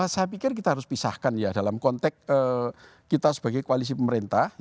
saya pikir kita harus pisahkan ya dalam konteks kita sebagai koalisi pemerintah